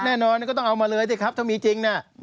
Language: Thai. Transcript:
แน่นอนก็ต้องเอามาเลยสิครับถ้ามีจริงเนี่ย